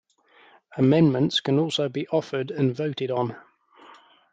Amendments can also be offered and voted on.